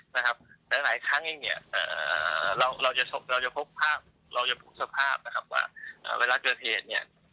และหลายครั้งเราก็จะพบสภาพเวลาเกิดเหตุ